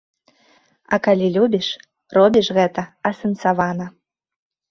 А калі любіш, робіш гэта асэнсавана.